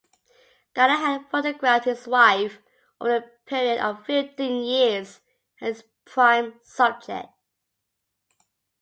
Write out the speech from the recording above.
Callahan photographed his wife over a period of fifteen years, as his prime subject.